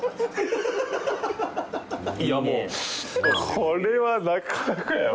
これはなかなかやわ。